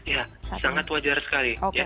ya sangat wajar sekali